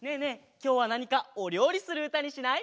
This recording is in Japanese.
きょうはなにかおりょうりするうたにしない？